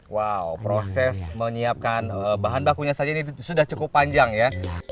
wow proses menyiapkan bahan bakunya saja ini sudah cukup panjang ya